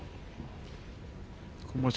今場所。